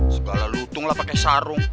segala lutung lah pakai sarung